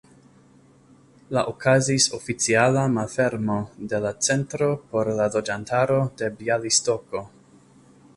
La okazis oficiala malfermo de la Centro por la loĝantaro de Bjalistoko.